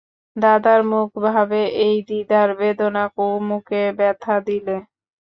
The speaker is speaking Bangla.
দাদার মুখভাবে এই দ্বিধার বেদনা কুমুকে ব্যথা দিলে।